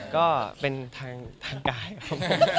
ก็เป็นทางกายครับ